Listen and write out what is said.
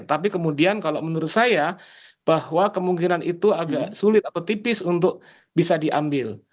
tapi kemudian kalau menurut saya bahwa kemungkinan itu agak sulit atau tipis untuk bisa diambil